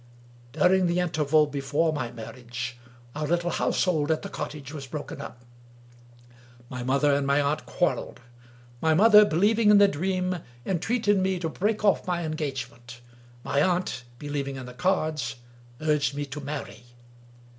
During the interval before my marriage, our little house hold at the cottage was broken up. My mother and my aunt quarreled. My mother, believing in the Dream, en treated me to break off my engagement. My aunt, believ ing in the cards, urged me to marry.